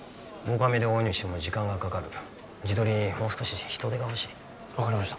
カメで追うにしても時間がかかる地取りにもう少し人手が欲しい分かりました